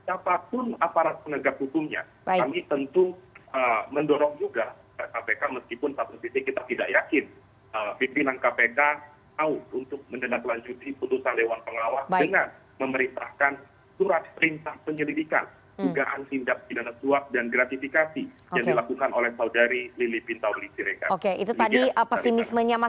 apapun aparat penegak hukumnya